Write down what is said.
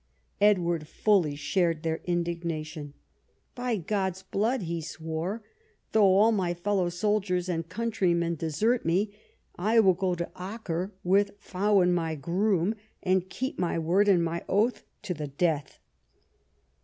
Edward fully shared their indignation. "By God's blood," he swore, "though all my fellow soldiers and countrymen desert me, I will go to Acre with Fowin my groom, and keep my word and my oath to the death."